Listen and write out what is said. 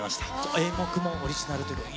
演目もオリジナルということで。